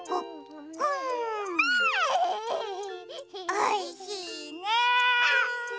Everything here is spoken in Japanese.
おいしいね！